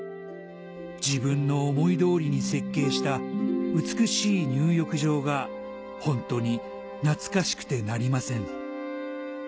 「自分の思い通りに設計した美しい入浴場がホントに懐かしくてなりません」